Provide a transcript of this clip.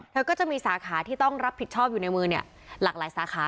เธอก็จะมีสาขาที่ต้องรับผิดชอบอยู่ในมือหลากหลายสาขา